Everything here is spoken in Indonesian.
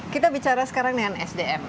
kita bicara sekarang dengan sdm